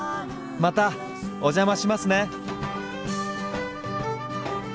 またお邪魔しますね。